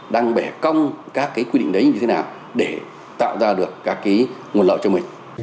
đang bẻ công các cái quy định đấy như thế nào để tạo ra được các cái nguồn lợi cho mình